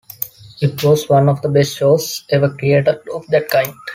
It was one of the best shows ever created of that kind.